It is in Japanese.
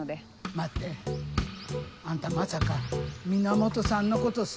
待ってあんたまさか源さんのことす。